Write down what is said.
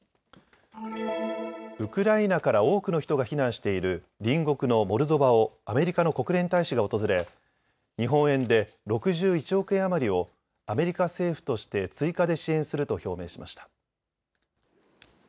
ウクライナから多くの人が避難している隣国のモルドバをアメリカの国連大使が訪れ日本円で６１億円余りをアメリカ政府として追加で支援すると表明しました。